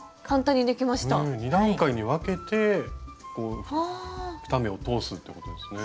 うん２段階に分けてこう２目を通すということですね。